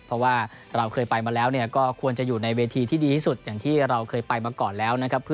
เพราะว่าเราเคยไปมาแล้วก็ควรจะอยู่ในเวทีที่ดีที่สุดอย่างที่เราเคยไปมาก่อนแล้วนะครับ